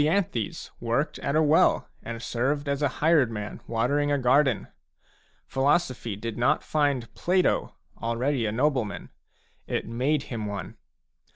worked at a well and served as a hired man watering a garden. Philosophy did not find Plato already a nobleman ; it made him one.